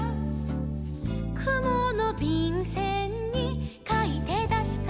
「くものびんせんにかいてだした」